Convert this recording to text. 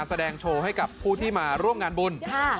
แสดงโชว์ให้กับผู้ที่มาร่วมงานบุญ